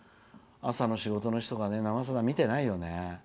朝の仕事の人は「生さだ」見てないよね。